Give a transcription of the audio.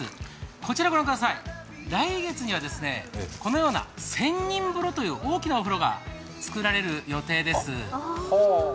こちら御覧ください、来月にはこのような仙人風呂という大きなお風呂が作られる予定です。